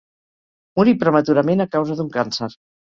Morí prematurament a causa d'un càncer.